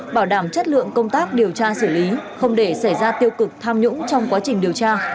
bảo đảm chất lượng công tác điều tra xử lý không để xảy ra tiêu cực tham nhũng trong quá trình điều tra